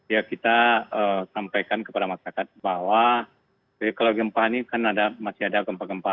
ya kita sampaikan kepada masyarakat bahwa kalau gempa ini kan masih ada gempa gempa